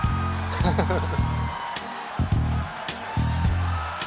ハハハハ。